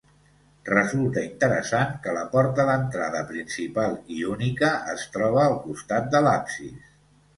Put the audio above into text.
Resulta interessant que la porta d'entrada principal i única es troba al costat de l'absis.